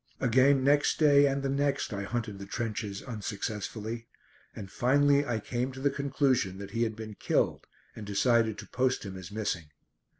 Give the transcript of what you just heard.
Again next day, and the next, I hunted the trenches, unsuccessfully, and finally I came to the conclusion that he had been killed and decided to post him as missing.